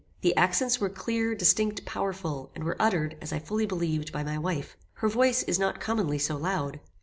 The accents were clear, distinct, powerful, and were uttered, as I fully believed, by my wife. Her voice is not commonly so loud.